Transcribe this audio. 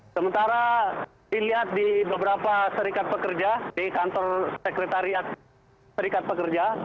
sementara dilihat di beberapa serikat pekerja di kantor sekretariat serikat pekerja